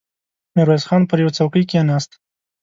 ميرويس خان پر يوه څوکۍ کېناست.